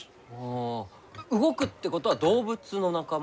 あ動くってことは動物の仲間？